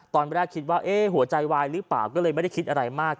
ตอนแรกคิดว่าหัวใจวายหรือเปล่าก็เลยไม่ได้คิดอะไรมาก